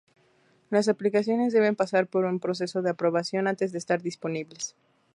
Las aplicaciones deben pasar por un proceso de aprobación antes de estar disponibles.